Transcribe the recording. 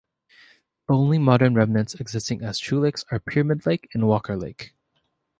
The only modern remnants existing as true lakes are Pyramid Lake and Walker Lake.